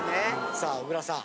さあ小椋さん。